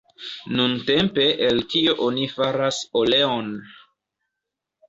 Nuntempe el tio oni faras oleon.